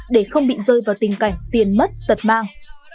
để không bị rơi vào tình cảnh tiền mất tật mang